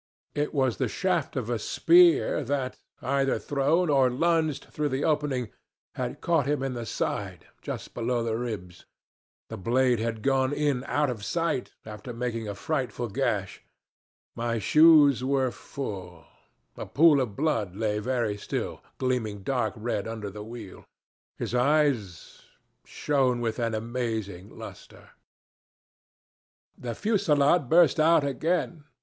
It was the shaft of a spear that, either thrown or lunged through the opening, had caught him in the side just below the ribs; the blade had gone in out of sight, after making a frightful gash; my shoes were full; a pool of blood lay very still, gleaming dark red under the wheel; his eyes shone with an amazing luster. The fusillade burst out again.